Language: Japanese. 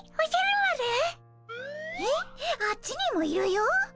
あっちにもいるよ？